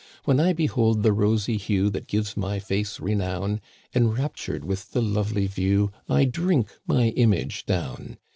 When I behold the rosy hue That gives my face renown, " Enraptured with the lovely view, I drink my image down.